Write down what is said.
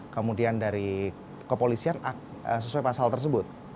kemudian dari kepolisian sesuai pasal tersebut